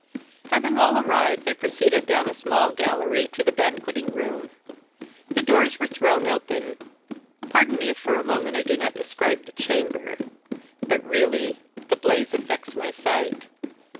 Having all arrived, they proceeded down a small gallery to the banqueting room. The doors were thrown open. Pardon me if for a moment I do not describe the chamber; but really, the blaze affects my sight.